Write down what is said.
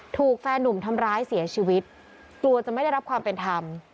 ถูกแฟนหนุ่มทำร้ายเสียชีวิตกลัวจะไม่ได้รับความเป็นธรรม